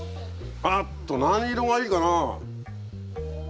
あっと何色がいいかな。